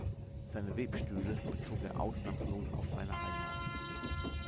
Seine Webstühle bezog er ausnahmslos aus seiner Heimat.